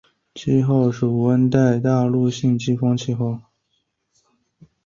气候属暖温带大陆性季风气候。